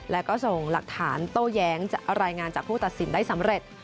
และก็ส่งหลักฐานโต้แย้งรายงานจากผู้ตัดสินได้สำเร็จ